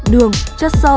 đường chất sản